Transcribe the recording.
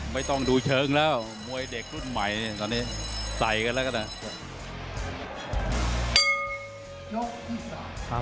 ไม่ต้องดูเชิงแล้วมวยเด็กรุ่นใหม่ตอนนี้ใส่กันแล้วก็ได้